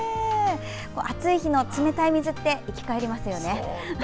暑い日の冷たい水って生き返りますよね。